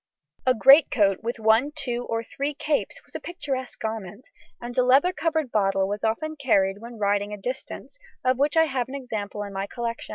A greatcoat with one, two, or three capes was a picturesque garment, and a leather covered bottle was often carried when riding a distance, of which I have an example in my collection.